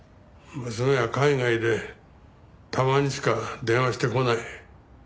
娘は海外でたまにしか電話してこない。